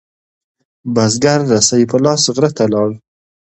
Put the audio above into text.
بزگر رسۍ په لاس غره ته لاړ.